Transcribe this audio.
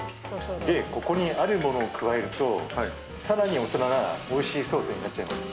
ここにあるものを加えると更に大人なおいしいソースになっちゃいます。